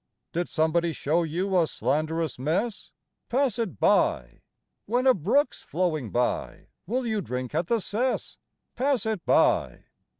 Did somebody show you a slanderous mess? Pass it by! When a brook's flowing by, will you drink at the cess? Pass it by!